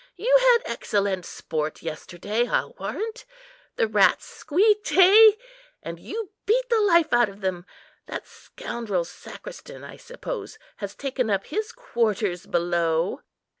You had excellent sport yesterday, I'll warrant. The rats squeaked, eh? and you beat the life out of them. That scoundrel sacristan, I suppose, has taken up his quarters below."